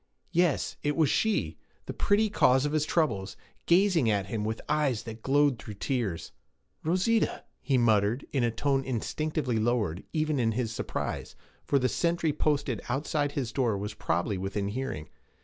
Yes, it was she, the pretty cause of his troubles, gazing at him with eyes that glowed through tears. 'Rosita!' he muttered, in a tone instinctively lowered, even in his surprise, for the sentry posted outside his door was probably within hearing.